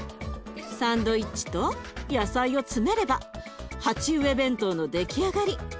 サンドイッチと野菜を詰めれば鉢植え弁当の出来上がり。